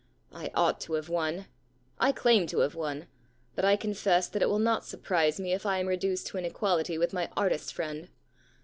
I ought to have won. I claim to have won. But I confess that it will not surprise me if I am reduced to an equality with my artist friend.